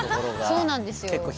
そうなんですよ。